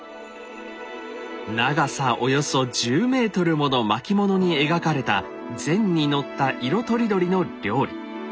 長さおよそ１０メートルもの巻物に描かれた膳にのった色とりどりの料理。